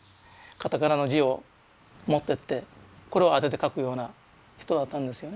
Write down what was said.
カタカナの字を持ってってこれを当てて書くような人だったんですよね。